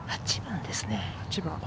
少８番ですね。